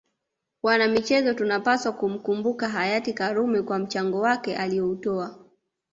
Wanamichezo tunapswa kumkumbuka Hayati Karume kwa mchango wake alioutoa